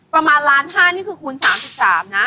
ประมาณ๑๕๐๐๐๐๐นี่คือคูณ๓๓นะ